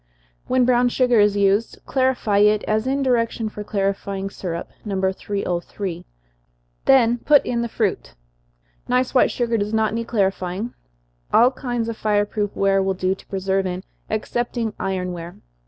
When brown sugar is used, clarify it, as in direction for clarifying syrup, No. 303, then put in the fruit. Nice white sugar does not need clarifying. All kinds of fire proof ware will do to preserve in, excepting iron ware.